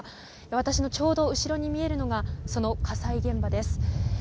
私のちょうど後ろに見えるのがその火災現場です。